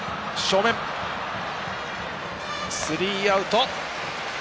スリーアウト。